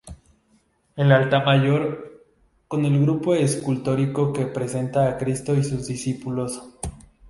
El Altar Mayor, con el grupo escultórico que representa a Cristo y sus discípulos.